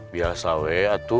biasa weh atu